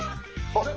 あっ。